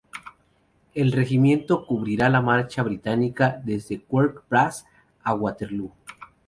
El regimiento cubría la marcha británica desde Quatre Bras a Waterloo.